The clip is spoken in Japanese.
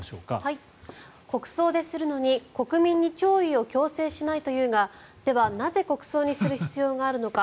国葬でするのに国民に弔意を強制しないというがでは、なぜ国葬にする必要があるのか。